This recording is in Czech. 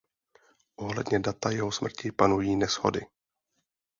Ohledně data jeho smrti panují neshody.